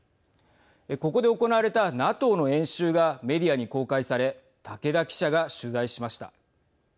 ここで行われたＮＡＴＯの演習がメディアに公開され竹田記者が取材しました。